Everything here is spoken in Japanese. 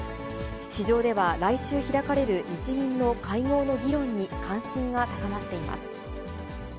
市場では来週開かれる日銀の会合の議論に関心が高まっています。